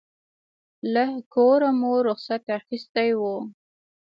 له کوره مو رخصت اخیستی و.